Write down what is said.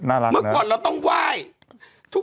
น้ำพริกจะหล่อยพิเศษไงยะ